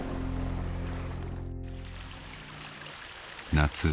［夏